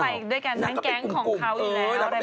ไปด้วยกันทั้งแก๊งของเขาอยู่แล้ว